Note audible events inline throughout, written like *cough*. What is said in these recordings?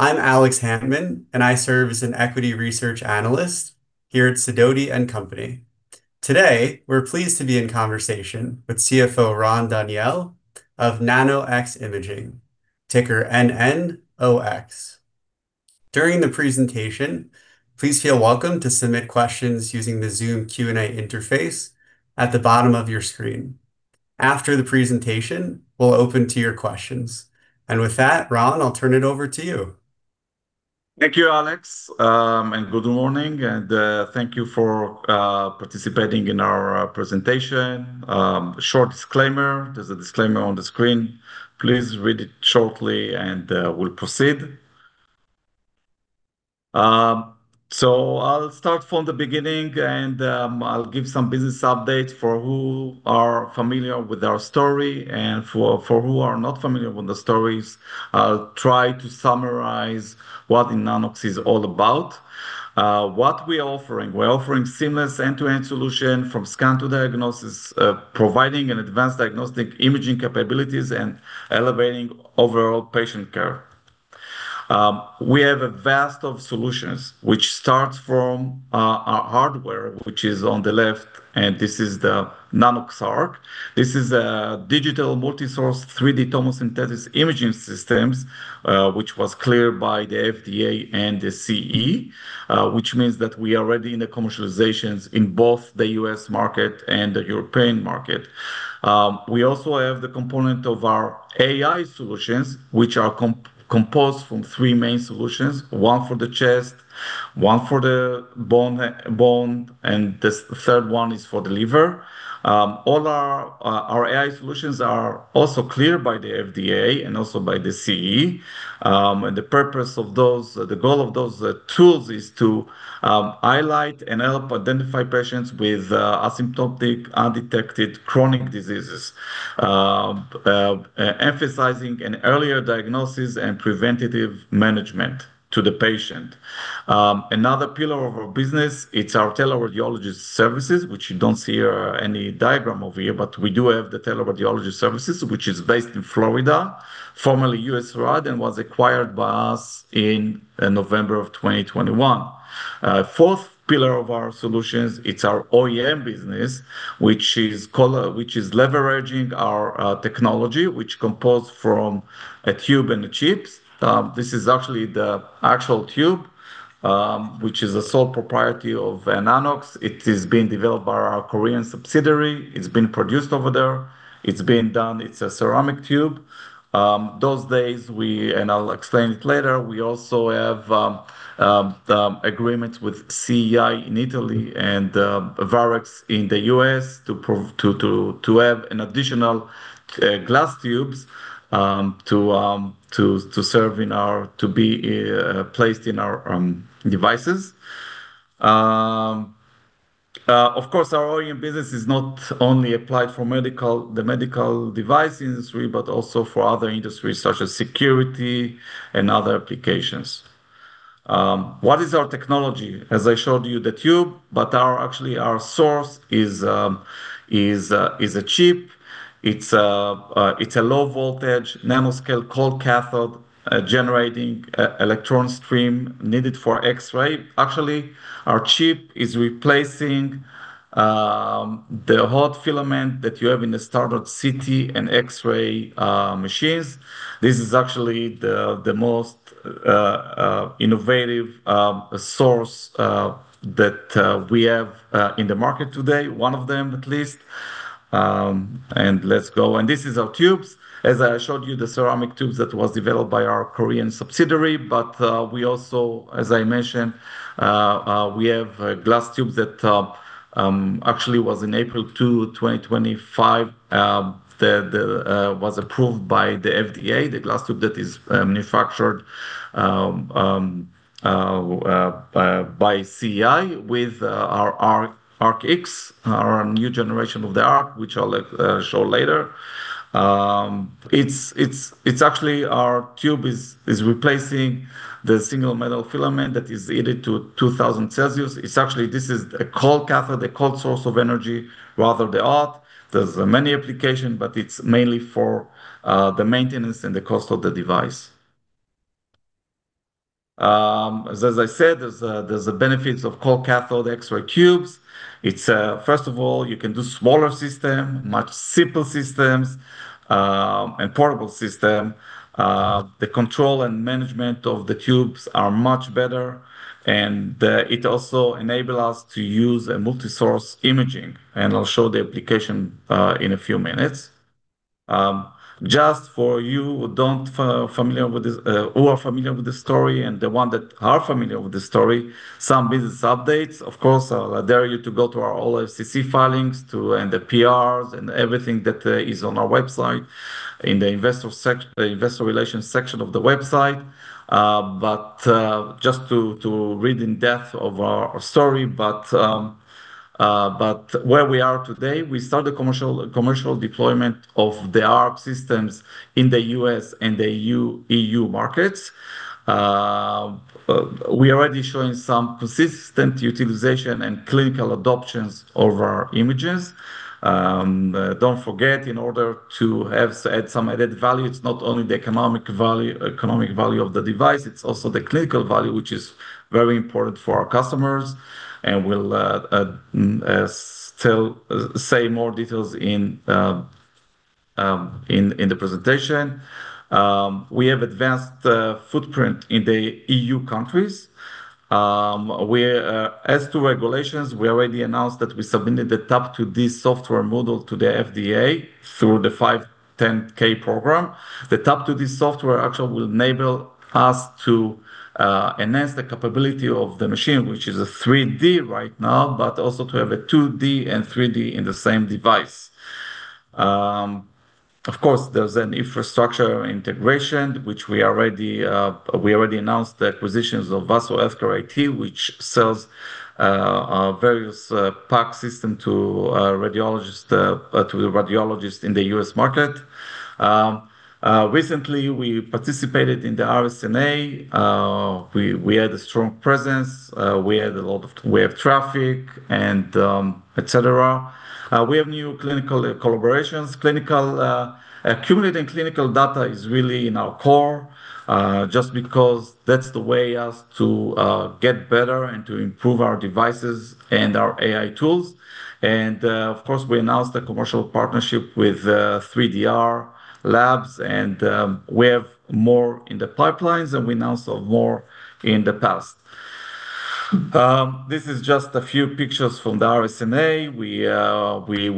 I'm Alex Hantman, and I serve as an equity research analyst here at Sidoti & Company. Today, we're pleased to be in conversation with CFO Ran Daniel of Nano-X Imaging, ticker NNOX. During the presentation, please feel welcome to submit questions using the Zoom Q&A interface at the bottom of your screen. After the presentation, we'll open to your questions. And with that, Ran, I'll turn it over to you. Thank you, Alex, and good morning, and thank you for participating in our presentation. Short disclaimer: There's a disclaimer on the screen. Please read it shortly, and we'll proceed, so I'll start from the beginning, and I'll give some business updates for who are familiar with our story and for who are not familiar with the stories. I'll try to summarize what Nano-X is all about. What we're offering: We're offering seamless end-to-end solutions from scan to diagnosis, providing advanced diagnostic imaging capabilities and elevating overall patient care. We have a vast set of solutions, which starts from our hardware, which is on the left, and this is the Nanox.ARC. This is a digital multi-source 3D tomosynthesis imaging system, which was cleared by the FDA and the CE, which means that we are ready in the commercialization in both the U.S. market and the European market. We also have the component of our AI solutions, which are composed of three main solutions: one for the chest, one for the bone, and the third one is for the liver. All our AI solutions are also cleared by the FDA and also by the CE. And the purpose of those, the goal of those tools, is to highlight and help identify patients with asymptomatic, undetected chronic diseases, emphasizing an earlier diagnosis and preventative management to the patient. Another pillar of our business is our teleradiology services, which you don't see any diagram of here, but we do have the teleradiology services, which is based in Florida, formerly USARAD, and was acquired by us in November of 2021. Fourth pillar of our solutions is our OEM business, which is leveraging our technology, which is composed of a tube and chips. This is actually the actual tube, which is a solely proprietary of Nano-X. It is being developed by our Korean subsidiary. It's been produced over there. It's been done. It's a ceramic tube. To this day, and I'll explain it later, we also have agreements with CEI in Italy and Varex in the U.S. to have additional glass tubes to serve in our, to be placed in our devices. Of course, our OEM business is not only applied for the medical device industry, but also for other industries such as security and other applications. What is our technology? As I showed you, the tube, but actually our source is a chip. It's a low-voltage nanoscale cold cathode generating electron stream needed for X-ray. Actually, our chip is replacing the hot filament that you have in the standard CT and X-ray machines. This is actually the most innovative source that we have in the market today, one of them at least, and let's go, and this is our tubes. As I showed you, the ceramic tubes that were developed by our Korean subsidiary, but we also, as I mentioned, we have glass tubes that actually were in April 2025, that were approved by the FDA, the glass tube that is manufactured by CEI with our Nanox.ARC, our new generation of the ARC, which I'll show later. It's actually our tube that is replacing the single metal filament that is heated to 2,000 degrees Celsius. It's actually, this is a cold cathode, a cold source of energy, rather than hot. There's many applications, but it's mainly for the maintenance and the cost of the device. As I said, there's the benefits of cold cathode X-ray tubes. First of all, you can do smaller systems, much simpler systems, and portable systems. The control and management of the tubes are much better, and it also enables us to use multi-source imaging, and I'll show the application in a few minutes. Just for you who are familiar with the story, some business updates, of course. I'll dare you to go to our 10-K filings and the PRs and everything that is on our website in the investor relations section of the website, but just to read in depth of our story, where we are today, we started the commercial deployment of the ARC systems in the U.S. and the EU markets. We are already showing some consistent utilization and clinical adoptions of our images. Don't forget, in order to add some added value, it's not only the economic value of the device, it's also the clinical value, which is very important for our customers. And we'll still say more details in the presentation. We have advanced footprint in the EU countries. As to regulations, we already announced that we submitted the tomosynthesis software model to the FDA through the 510(k) program. The tomosynthesis software actually will enable us to enhance the capability of the machine, which is a 3D right now, but also to have a 2D and 3D in the same device. Of course, there's an infrastructure integration, which we already announced the acquisitions of Vaso Healthcare, which sells various PACS to radiologists in the U.S. market. Recently, we participated in the RSNA. We had a strong presence. We had a lot of traffic, etc. We have new clinical collaborations. Accumulating clinical data is really in our core just because that's the way for us to get better and to improve our devices and our AI tools, and of course, we announced a commercial partnership with 3DR Labs, and we have more in the pipelines, and we announced more in the past. This is just a few pictures from the RSNA. We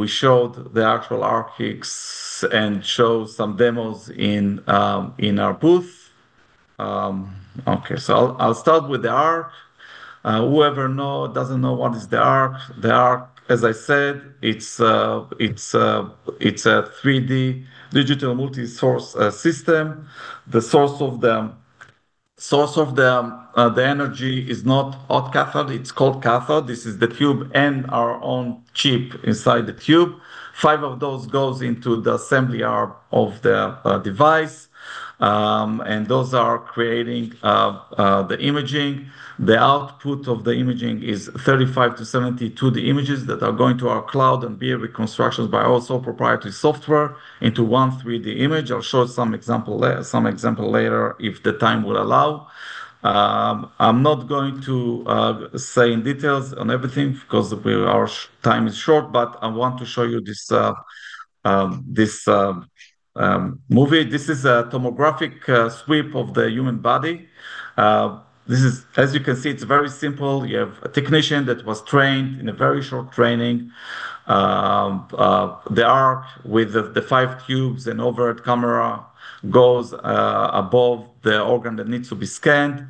showed the actual Nanox.ARC X and showed some demos in our booth. Okay, so I'll start with the ARC. Whoever doesn't know what the ARC is, the ARC, as I said, it's a 3D digital multi-source system. The source of the energy is not hot cathode. It's cold cathode. This is the tube and our own chip inside the tube. Five of those go into the assembly arm of the device, and those are creating the imaging. The output of the imaging is 35-72 images that are going to our cloud and be reconstructed by our sole proprietary software into one 3D image. I'll show some example later if the time will allow. I'm not going to say in details on everything because our time is short, but I want to show you this movie. This is a tomographic sweep of the human body. As you can see, it's very simple. You have a technician that was trained in a very short training. The ARC with the five tubes and overhead camera goes above the organ that needs to be scanned.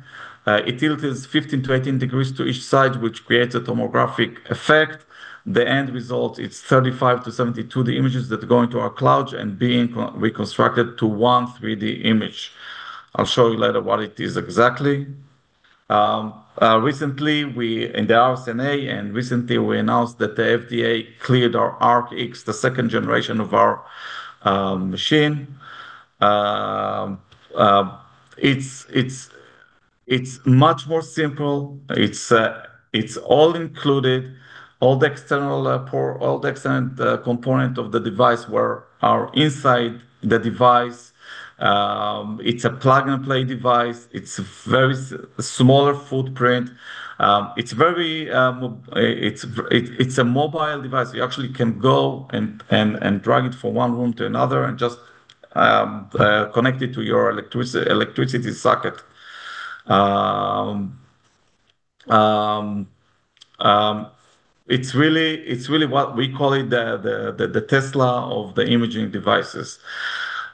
It tilts 15-18 degrees to each side, which creates a tomographic effect. The end result is 35-72 images that go into our cloud and be reconstructed to one 3D image. I'll show you later what it is exactly. Recently, in the RSNA, and recently, we announced that the FDA cleared our Nanox.ARC X, the second generation of our machine. It's much more simple. It's all included. All the external components of the device were inside the device. It's a plug-and-play device. It's a very smaller footprint. It's a mobile device. You actually can go and drag it from one room to another and just connect it to your electricity socket. It's really what we call the Tesla of the imaging devices.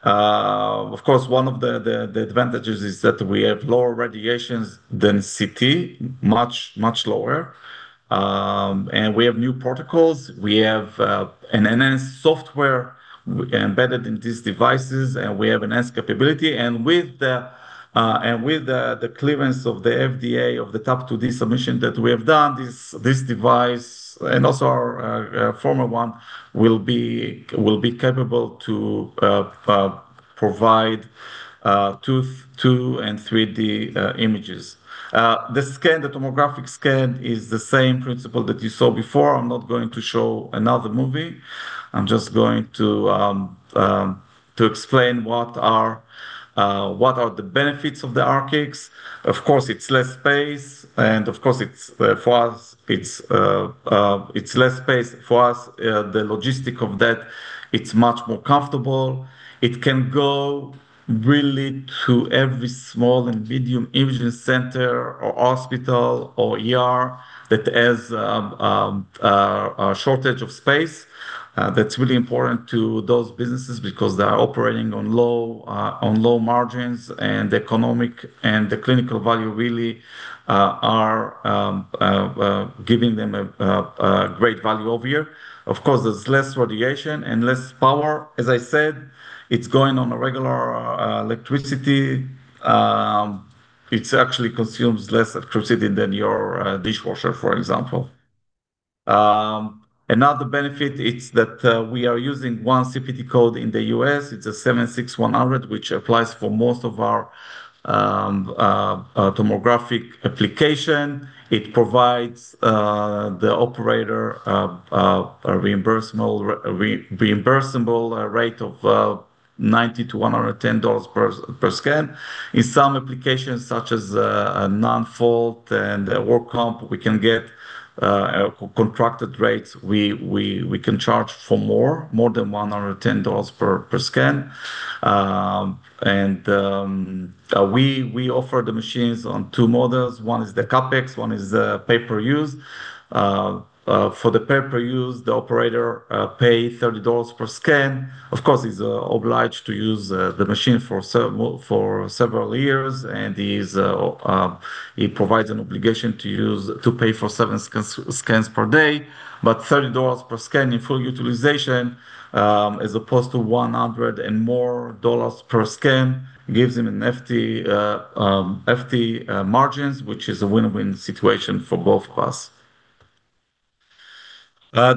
Of course, one of the advantages is that we have lower radiations than CT, much lower, and we have new protocols. We have an enhanced software embedded in these devices, and we have enhanced capability. With the clearance of the FDA of the tomosynthesis submission that we have done, this device, and also our former one, will be capable to provide 2D and 3D images. The scan, the tomographic scan, is the same principle that you saw before. I'm not going to show another movie. I'm just going to explain what are the benefits of the Nanox.ARC X. Of course, it's less space, and of course, for us, it's less space. For us, the logistics of that, it's much more comfortable. It can go really to every small and medium imaging center or hospital or that has a shortage of space. That's really important to those businesses because they are operating on low margins, and the economic and the clinical value really are giving them a great value over here. Of course, there's less radiation and less power. As I said, it's going on a regular electricity. It actually consumes less electricity than your dishwasher, for example. Another benefit is that we are using one CPT code in the U.S. It's a 76100, which applies for most of our tomosynthesis application. It provides the operator a reimbursable rate of $90-$110 per scan. In some applications, such as no-fault and work comp, we can get contracted rates. We can charge for more, more than $110 per scan. And we offer the machines on two models. One is the CapEx. One is the pay-per-use. For the pay-per-use, the operator pays $30 per scan. Of course, he's obliged to use the machine for several years, and he provides an obligation to pay for seven scans per day. But $30 per scan in full utilization, as opposed to $100 and more per scan, gives him a fat margin, which is a win-win situation for both of us.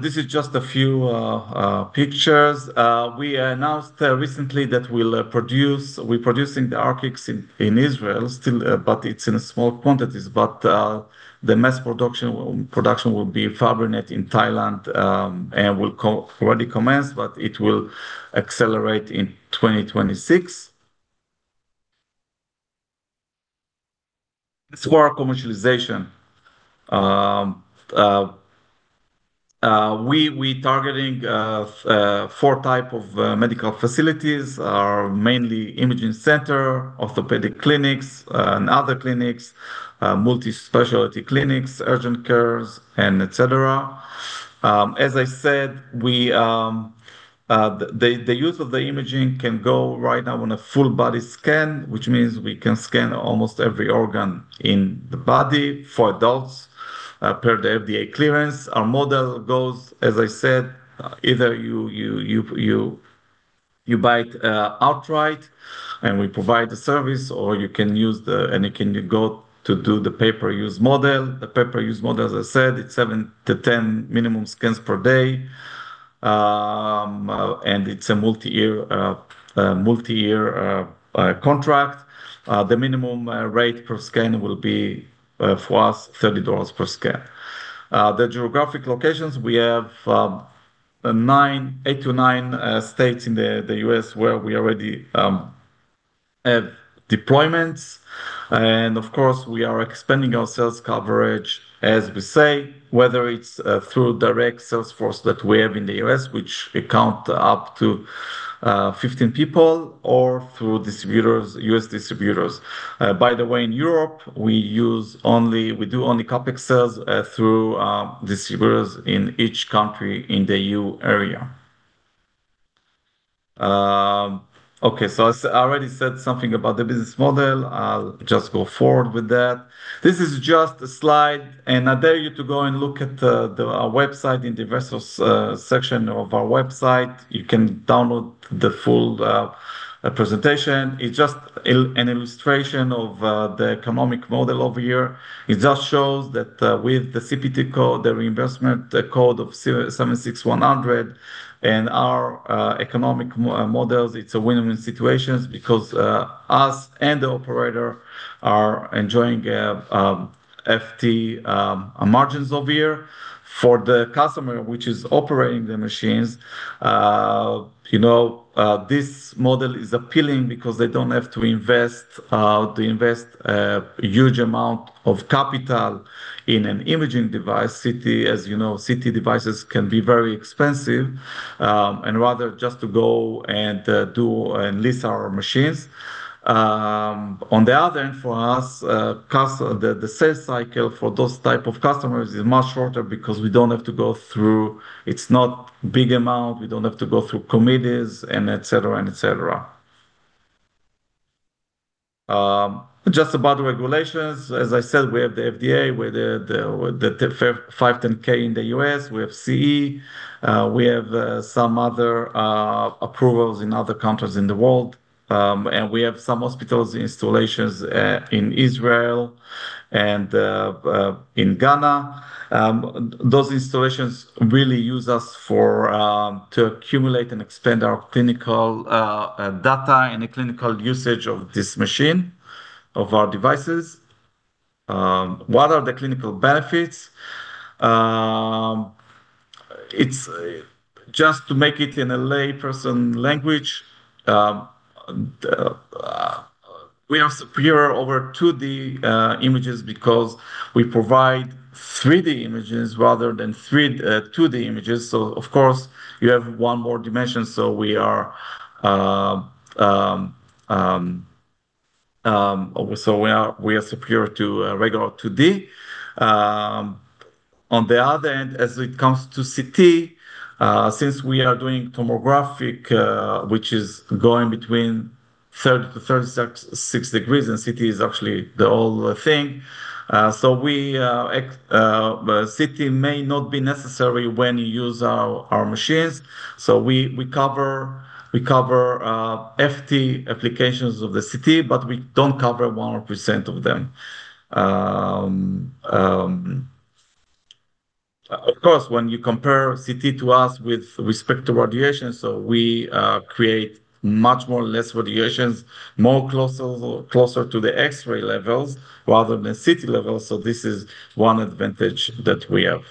This is just a few pictures. We announced recently that we're producing the Nanox.ARC X in Israel, but it's in small quantities. But the mass production will be fabricated in Thailand and will already commence, but it will accelerate in 2026. As for our commercialization, we are targeting four types of medical facilities: mainly imaging centers, orthopedic clinics, and other clinics, multispecialty clinics, urgent cares, and etc. As I said, the use of the imaging can go right now on a full-body scan, which means we can scan almost every organ in the body for adults per the FDA clearance. Our model goes, as I said, either you buy it outright and we provide the service, or you can use the, and you can go to do the pay-per-use model. The pay-per-use model, as I said, it's 7-10 minimum scans per day, and it's a multi-year contract. The minimum rate per scan will be, for us, $30 per scan. The geographic locations, we have eight to nine states in the U.S. where we already have deployments, and of course, we are expanding our sales coverage, as we say, whether it's through direct sales force that we have in the U.S., which accounts for up to 15 people, or through U.S. distributors. By the way, in Europe, we do only CapEx sales through distributors in each country in the E.U. area. Okay, so I already said something about the business model. I'll just go forward with that. This is just a slide, and I dare you to go and look at the website in the resource section of our website. You can download the full presentation. It's just an illustration of the economic model over here. It just shows that with the CPT code, the reimbursement code of 76100 and our economic models, it's a win-win situation because us and the operator are enjoying FT margins over here. For the customer, which is operating the machines, this model is appealing because they don't have to invest a huge amount of capital in an imaging device. CT, as you know, CT devices can be very expensive and rather just to go and do and lease our machines. On the other end, for us, the sales cycle for those types of customers is much shorter because we don't have to go through, it's not a big amount. We don't have to go through committees and etc., etc. Just about regulations, as I said, we have the FDA, we have the 510(k) in the U.S., we have CE, we have some other approvals in other countries in the world, and we have some hospitals, installations in Israel and in Ghana. Those installations really use us to accumulate and expand our clinical data and the clinical usage of this machine, of our devices. What are the clinical benefits? Just to make it in a layperson language, we are superior over 2D images because we provide 3D images rather than 2D images. So, of course, you have one more dimension. So we are superior to regular 2D. On the other end, as it comes to CT, since we are doing tomographic, which is going between 30-36 degrees, and CT is actually the old thing. So CT may not be necessary when you use our machines. So we cover few applications of the CT, but we don't cover 1% of them. Of course, when you compare CT to us with respect to radiation, so we create much less radiation, much closer to the X-ray levels rather than CT levels. So this is one advantage that we have.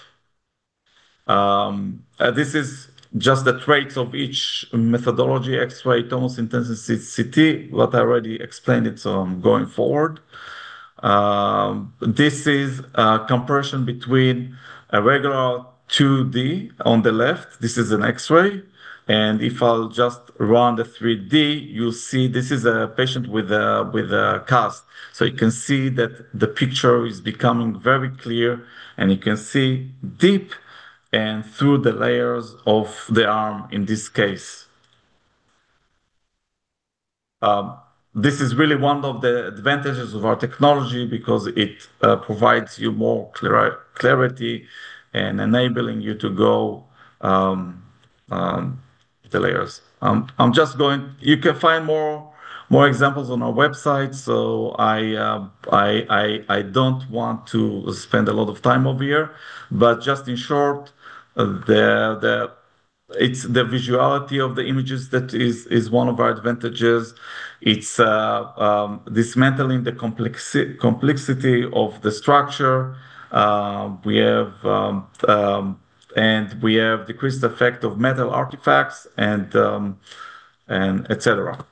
This is just the traits of each methodology: X-ray, tomosynthesis, CT, what I already explained, so I'm going forward. This is a comparison between a regular 2D on the left. This is an X-ray. And if I'll just run the 3D, you'll see this is a patient with a cast. So you can see that the picture is becoming very clear, and you can see deep and through the layers of the arm in this case. This is really one of the advantages of our technology because it provides you more clarity and enables you to go the layers. You can find more examples on our website, so I don't want to spend a lot of time over here, but just in short, it's the visuality of the images that is one of our advantages. It's dismantling the complexity of the structure, and we have decreased the effect of metal artifacts and etc.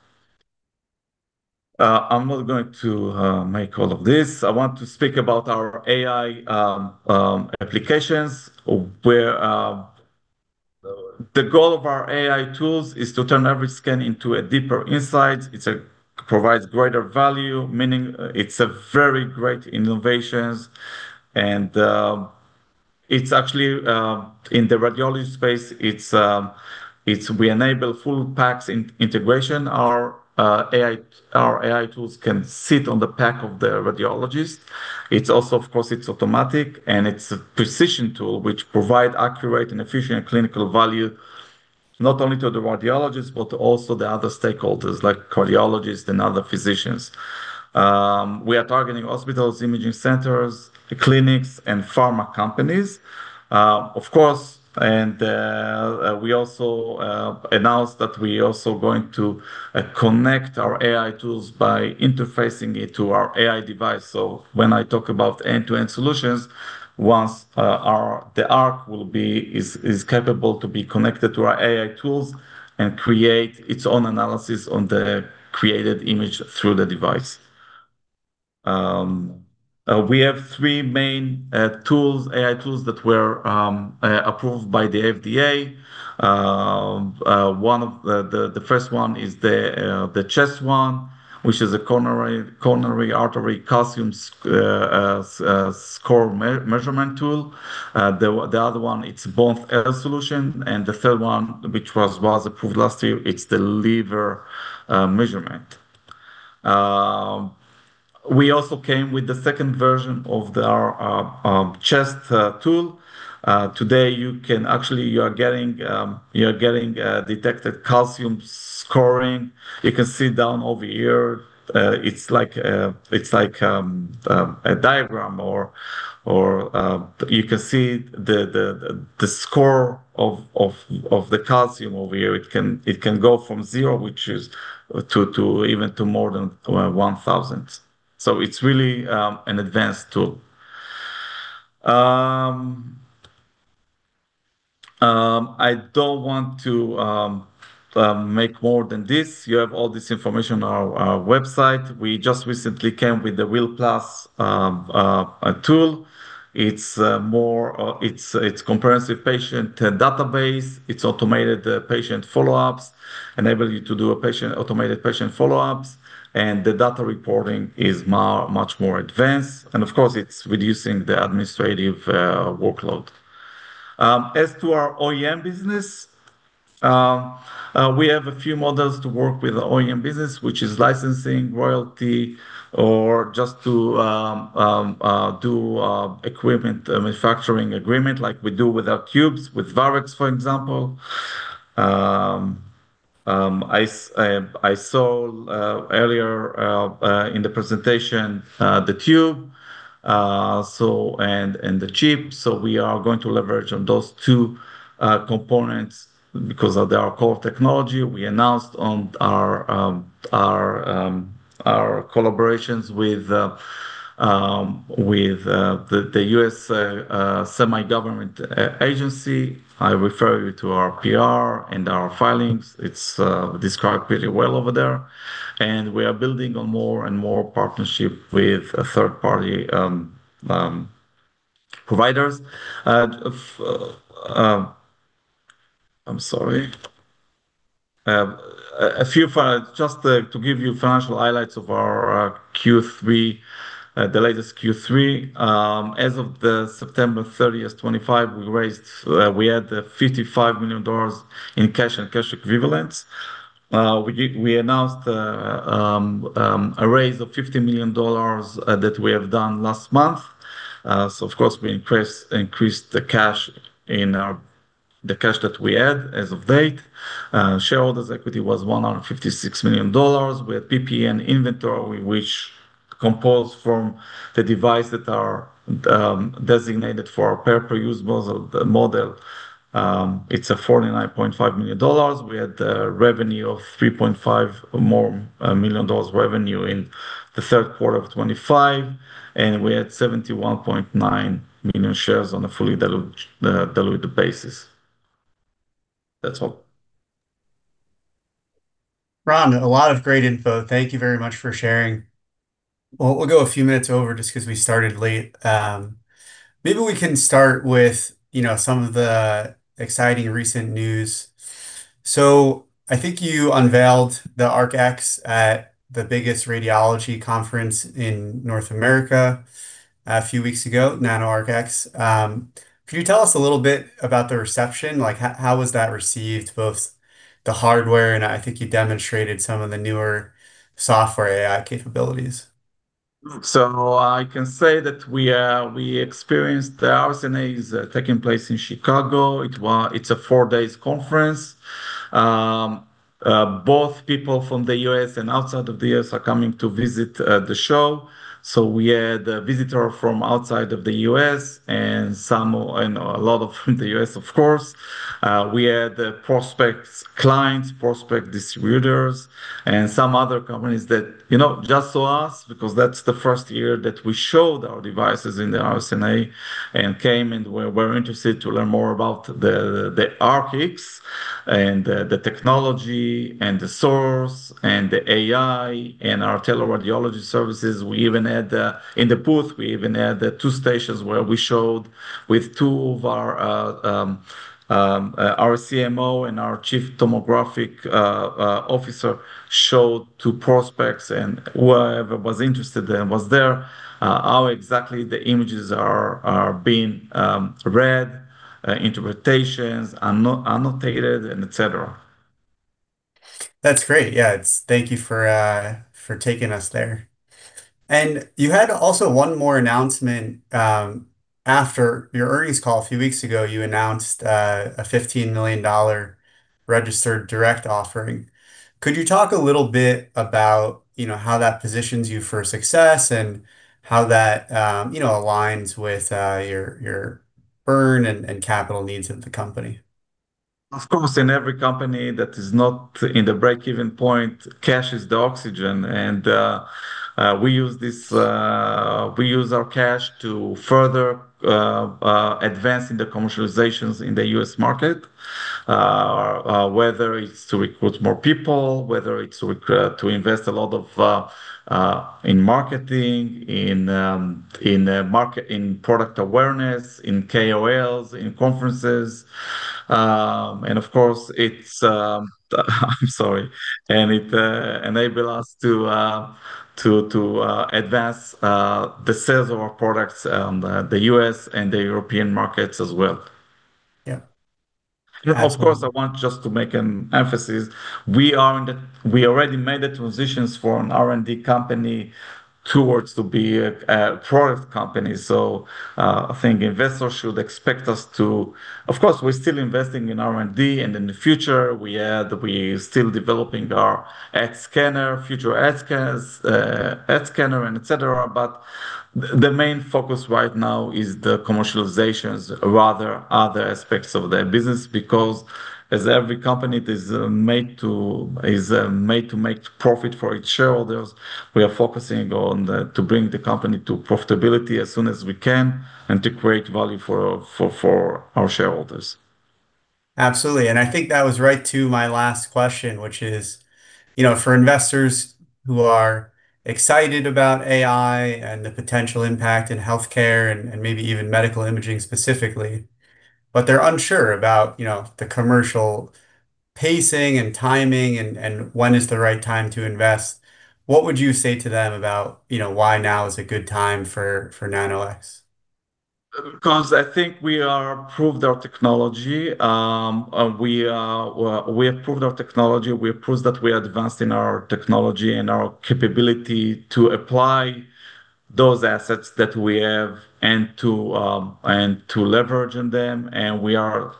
I'm not going to make all of this. I want to speak about our AI applications. The goal of our AI tools is to turn every scan into a deeper insight. It provides greater value, meaning it's a very great innovation, and it's actually in the radiology space. We enable full PACS integration. Our AI tools can sit on the PACS of the radiologist. It's also, of course, it's automatic, and it's a precision tool which provides accurate and efficient clinical value not only to the radiologists, but also to the other stakeholders like cardiologists and other physicians. We are targeting hospitals, imaging centers, clinics, and pharma companies, of course, and we also announced that we are also going to connect our AI tools by interfacing it to our AI device, so when I talk about end-to-end solutions, once the ARC is capable to be connected to our AI tools and create its own analysis on the created image through the device. We have three main AI tools that were approved by the FDA. The first one is the chest one, which is a coronary artery calcium score measurement tool. The other one, it's a bone solution, and the third one, which was approved last year, it's the liver measurement. We also came with the second version of our chest tool. Today, you can actually, you are getting detected calcium scoring. You can see down over here. It's like a diagram, or you can see the score of the calcium over here. It can go from zero, which is even to more than 1,000. So it's really an advanced tool. I don't want to make more than this. You have all this information on our website. We just recently came with the *inaudible* Plus tool. It's a comprehensive patient database. It's automated patient follow-ups, enables you to do automated patient follow-ups. And the data reporting is much more advanced. And of course, it's reducing the administrative workload. As to our OEM business, we have a few models to work with the OEM business, which is licensing, royalty, or just to do equipment manufacturing agreement, like we do with our tubes, with Varex, for example. I saw earlier in the presentation the tube and the chip, so we are going to leverage on those two components because of our core technology. We announced our collaborations with the U.S. semi-government agency. I refer you to our PR and our filings. It's described pretty well over there, and we are building on more and more partnerships with third-party providers. I'm sorry. Just to give you financial highlights of our Q3, the latest Q3. As of September 30, 2025, we had $55 million in cash and cash equivalents. We announced a raise of $50 million that we have done last month. So, of course, we increased the cash that we had as of date. Shareholders' equity was $156 million. We had PP&E inventory, which composed from the device that are designated for our pay-per-use model. It's $49.5 million. We had a revenue of $3.5 million revenue in the third quarter of 2025 and we had 71.9 million shares on a fully diluted basis. That's all. Ran, a lot of great info. Thank you very much for sharing. We'll go a few minutes over just because we started late. Maybe we can start with some of the exciting recent news, so I think you unveiled the Nanox.ARC X at the biggest radiology conference in North America a few weeks ago, Nanox.ARC X. Could you tell us a little bit about the reception? How was that received, both the hardware, and I think you demonstrated some of the newer software AI capabilities. So I can say that we experienced. The RSNA is taking place in Chicago. It's a four-day conference. Both people from the U.S. and outside of the U.S. are coming to visit the show. So we had a visitor from outside of the U.S. and a lot of the U.S., of course. We had prospective clients, prospective distributors, and some other companies that just saw us because that's the first year that we showed our devices in the RSNA and came and were interested to learn more about the Nanox.ARC X and the technology and the source and the AI and our teleradiology services. We even had in the booth, we even had two stations where we showed with two of our RCMO and our Chief Tomographic Officer showed to prospects and whoever was interested and was there how exactly the images are being read, interpretations, annotated, and etc. That's great. Yeah. Thank you for taking us there. And you had also one more announcement. After your earnings call a few weeks ago, you announced a $15 million registered direct offering. Could you talk a little bit about how that positions you for success and how that aligns with your burn and capital needs of the company? Of course, in every company that is not in the break-even point, cash is the oxygen. And we use our cash to further advance in the commercializations in the U.S. market, whether it's to recruit more people, whether it's to invest a lot in marketing, in product awareness, in KOLs, in conferences. And of course, it's. I'm sorry. And it enables us to advance the sales of our products in the U.S. and the European markets as well. Yeah. Of course, I want just to make an emphasis. We already made the transitions from an R&D company towards being a product company, so I think investors should expect us to, of course, we're still investing in R&D, and in the future, we are still developing our X-scanner, future X-scanner, and etc., but the main focus right now is the commercializations, rather other aspects of the business, because as every company is made to make profit for its shareholders, we are focusing on bringing the company to profitability as soon as we can and to create value for our shareholders. Absolutely, and I think that was right to my last question, which is for investors who are excited about AI and the potential impact in healthcare and maybe even medical imaging specifically, but they're unsure about the commercial pacing and timing and when is the right time to invest. What would you say to them about why now is a good time for Nano-X? Because I think we have approved our technology. We have approved our technology. We have proved that we are advanced in our technology and our capability to apply those assets that we have and to leverage them. And we are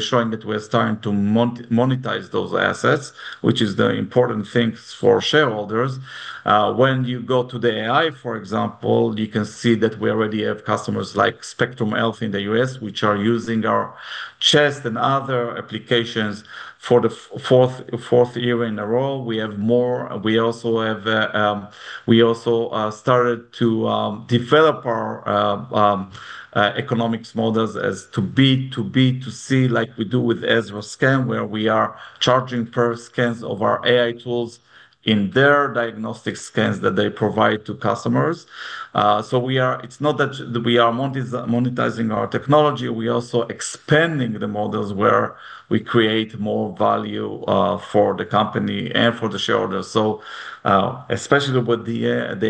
showing that we are starting to monetize those assets, which is the important thing for shareholders. When you go to the AI, for example, you can see that we already have customers like Spectrum Health in the U.S., which are using our chest and other applications for the fourth year in a row. We also started to develop our economics models as to B2B2C, like we do with Ezra Scan, where we are charging per scans of our AI tools in their diagnostic scans that they provide to customers. So it's not that we are monetizing our technology. We are also expanding the models where we create more value for the company and for the shareholders. So especially with the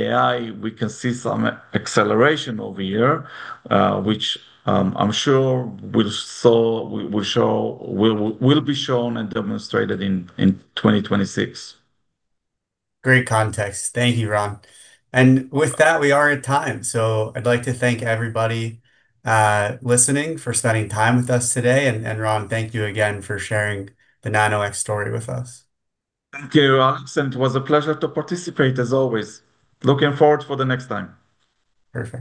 AI, we can see some acceleration over here, which I'm sure will be shown and demonstrated in 2026. Great context. Thank you, Ran. And with that, we are at time. So I'd like to thank everybody listening for spending time with us today. And Ran, thank you again for sharing the Nano-X story with us. Thank you, Ran. It was a pleasure to participate, as always. Looking forward for the next time. Perfect.